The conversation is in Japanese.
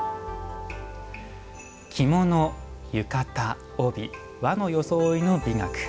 「着物・浴衣・帯和の装いの美学」。